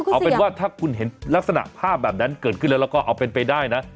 เอาเป็นว่าถ้าคุณเห็นลักษณะภาพแบบนั้นเกิดขึ้นแล้วแล้วก็เอาเป็นไปได้นะ